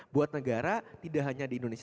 buat negara tidak hanya di indonesia